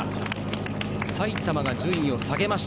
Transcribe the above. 埼玉、順位を下げました。